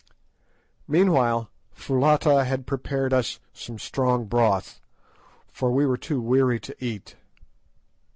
Meanwhile Foulata had prepared us some strong broth, for we were too weary to eat.